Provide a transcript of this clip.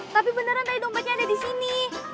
tapi beneran tadi dompetnya ada disini